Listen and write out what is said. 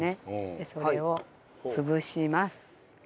でそれを潰します。